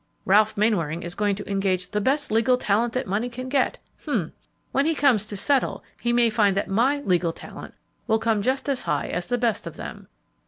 Ralph Mainwaring is going to engage 'the best legal talent that money can get!' H'm! when he comes to settle, he may find that my 'legal talent' will come just as high as the best of them."